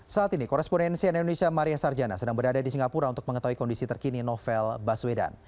saat ini korespondensian indonesia maria sarjana sedang berada di singapura untuk mengetahui kondisi terkini novel baswedan